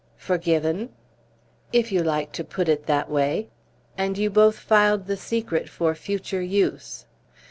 "Forgiven?" "If you like to put it that way." "And you both filed the secret for future use!"